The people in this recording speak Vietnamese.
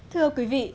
thưa quý vị